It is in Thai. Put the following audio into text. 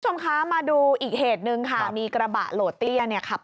คุณผู้ชมคะมาดูอีกเหตุหนึ่งค่ะมีกระบะโหลดเตี้ยเนี่ยขับ